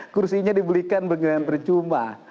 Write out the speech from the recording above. kursinya dibelikan dengan percuma